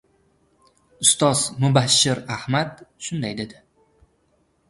ustoz Mubashshir Ahmad shunday dedi...